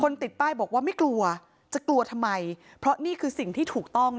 ติดป้ายบอกว่าไม่กลัวจะกลัวทำไมเพราะนี่คือสิ่งที่ถูกต้อง